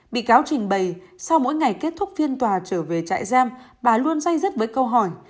bị cáo trình bày sau mỗi ngày kết thúc phiên tòa trở về trại giam bà luôn dây dứt với câu hỏi